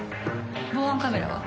防犯カメラは？